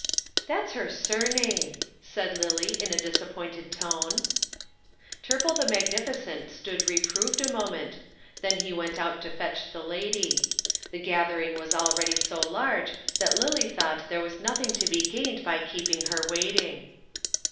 "That's her surname," said Lillie, in a disappointed tone. Turple the magnificent stood reproved a moment, then he went out to fetch the lady. The gathering was already so large that Lillie thought there was nothing to be gained by keeping her waiting.